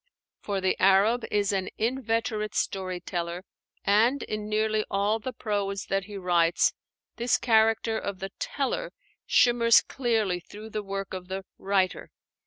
For the Arab is an inveterate story teller; and in nearly all the prose that he writes, this character of the "teller" shimmers clearly through the work of the "writer."